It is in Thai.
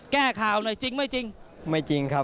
แก้ข่าวหน่อยจริงไม่จริง